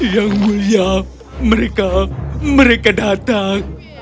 yang mulia mereka mereka datang